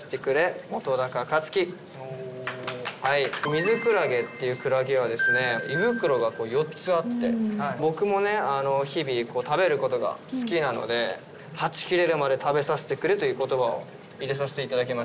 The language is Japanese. ミズクラゲっていうクラゲは胃袋が４つあって僕も日々食べることが好きなので「はち切れるまで食べさせてくれ」という言葉を入れさせて頂きました。